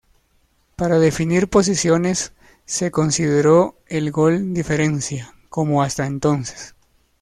Para definir posiciones se consideró el gol diferencia, como hasta entonces.